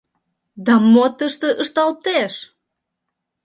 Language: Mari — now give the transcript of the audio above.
Да мо тыште ышталтеш?!